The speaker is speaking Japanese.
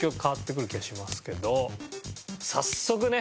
早速ね